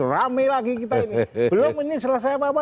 rame lagi kita ini belum ini selesai apa apa